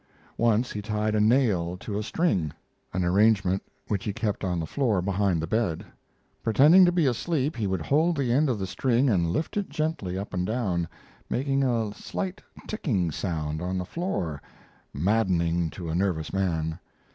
Once he tied a nail to a string; an arrangement which he kept on the floor behind the bed. Pretending to be asleep, he would hold the end of the string, and lift it gently up and down, making a slight ticking sound on the floor, maddening to a nervous man.